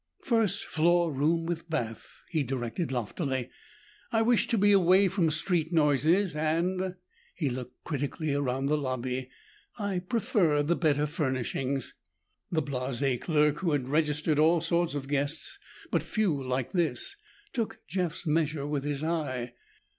"First floor room with bath," he directed loftily. "I wish to be away from street noises and," he looked critically around the lobby, "I prefer the better furnishings." The blasé clerk, who had registered all sorts of guests but few like this, took Jeff's measure with his eye.